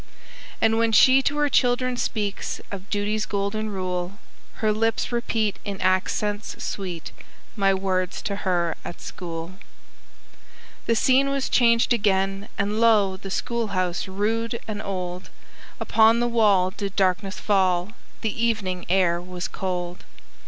"And when she to her children speaks Of duty's golden rule, Her lips repeat in accents sweet, My words to her at school." The scene was changed again, and lo! The schoolhouse rude and old; Upon the wall did darkness fall, The evening air was cold.